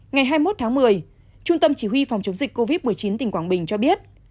ngày hai mươi một tháng một mươi trung tâm chỉ huy phòng chống dịch covid một mươi chín tỉnh quảng bình cho biết